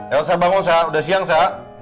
elsa bangun sa udah siang sa